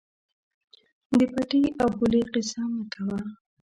د پټي او پولې قیصه مه کوه.